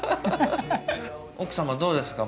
奥様どうですか？